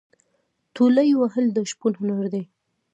تولې وهل د شپون هنر دی.